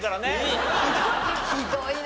ひどいな。